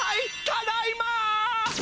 ただいま！